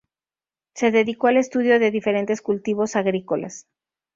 Se dedicó al estudio de diferentes cultivos agrícolas.